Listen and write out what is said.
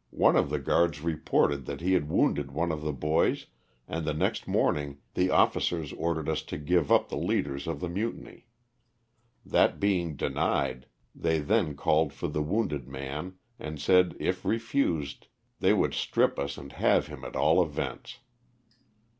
'' One of the guards reported that he had wounded one of the boys and the next morning the officers ordered us to give up the leaders of the mutiny; that being denied they then called for the wounded man and said if refused they would strip us and have him at all events.